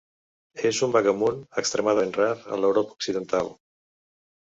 És un vagabund extremadament rar a l'Europa Occidental.